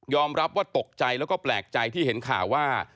รับว่าตกใจแล้วก็แปลกใจที่เห็นข่าวว่า